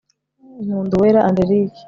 nkunduwera angélique